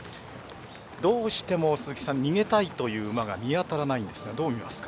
どうしても鈴木さん逃げたいという馬が見当たらないんですがどう見ますか？